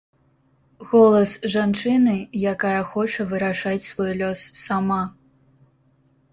Голас жанчыны, якая хоча вырашаць свой лёс сама.